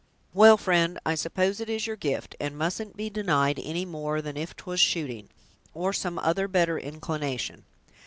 Well, friend, I suppose it is your gift, and mustn't be denied any more than if 'twas shooting, or some other better inclination.